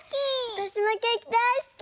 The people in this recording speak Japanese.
わたしもケーキだいすき！